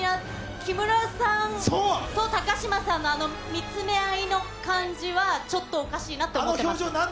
木村さんと高嶋さんのあの見つめ合いの感じは、ちょっとおかしいなと思ってます。